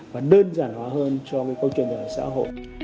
và đơn giản hóa hơn cho cái câu chuyện đời ở xã hội